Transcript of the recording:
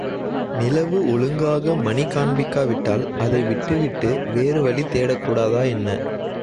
நிலவு ஒழுங்காக மணி காண்பிக்காவிட்டால், அதை விட்டு விட்டு வேறு வழி தேடக்கூடாதா என்ன?